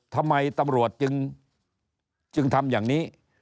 ทำไมตำรวจจึงทำอย่างนี้